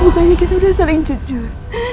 mukanya kita udah saling jujur